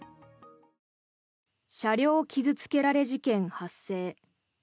車両傷付けられ事件発生。